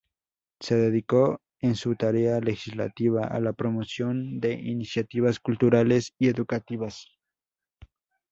Se dedicó en su tarea legislativa a la promoción de iniciativas culturales y educativas.